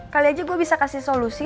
kali aja gue bisa kasih solusi